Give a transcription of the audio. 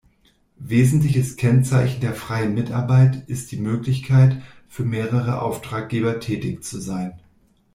Wesentliches Kennzeichen der freien Mitarbeit ist die Möglichkeit, für mehrere Auftraggeber tätig zu sein.